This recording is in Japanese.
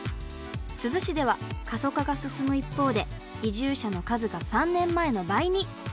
珠洲市では過疎化が進む一方で移住者の数が３年前の倍に。